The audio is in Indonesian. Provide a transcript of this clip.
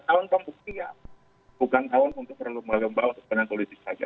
bukan tahun untuk terlalu melembabkan untuk perbedaan politik saja